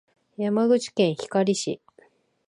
山口県光市